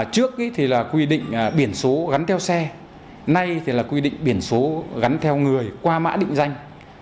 trước thì là quy định biển số gắn theo xe nay thì là quy định biển số gắn theo người qua mã định danh